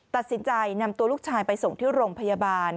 ตัดสินใจนำตัวลูกชายไปส่งที่โรงพยาบาล